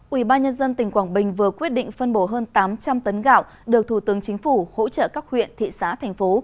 ủy ban nhân dân tỉnh quảng bình vừa quyết định phân bổ hơn tám trăm linh tấn gạo được thủ tướng chính phủ hỗ trợ các huyện thị xã thành phố